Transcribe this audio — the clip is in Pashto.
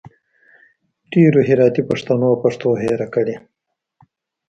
ډېرو هراتي پښتنو پښتو هېره کړي